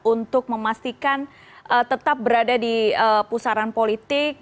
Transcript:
untuk memastikan tetap berada di pusaran politik